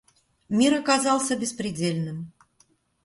Мир оказался беспредельным.